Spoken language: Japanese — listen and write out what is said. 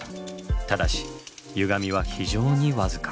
ただしゆがみは非常にわずか。